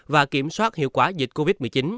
và kiểm soát hiệu quả dịch covid một mươi chín